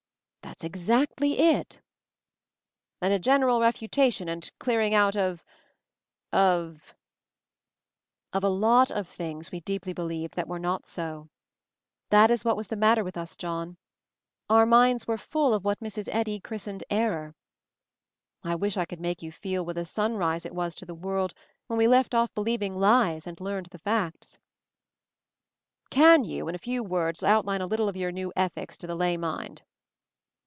"That's exactly it," "And a general refutation and clearing out of— of " "Of a lot of things we deeply believed — that were not so ! That is what was the mat ter with us, John. Our minds were full of what Mrs. Eddy christened error. I wish I could make you feel what a sunrise it was to the world when we left off believing lies and learned the facts." "Can you, in a few words, outline a little of your new 'Ethics* to the lay mind?"